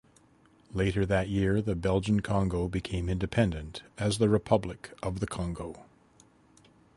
Later that year the Belgian Congo became independent as the Republic of the Congo.